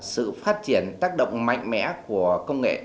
sự phát triển tác động mạnh mẽ của công nghệ